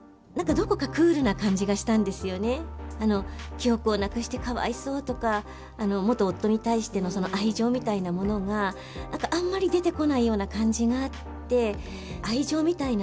記憶をなくして、かわいそうとか元夫に対しての愛情みたいなものがあんまり出てこないような感じがあって。